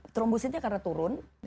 trombositnya karena turun